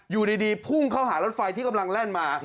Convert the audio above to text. อยู่ดีพุ่งเข้าหารถไฟที่กำลังแล่นมา